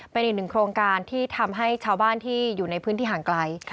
เป็นอีกหนึ่งโครงการที่ทำให้ชาวบ้านที่อยู่ในพื้นที่ห่างไกล